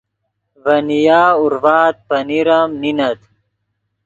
ڤے نیا اورڤآت پنیر ام نینت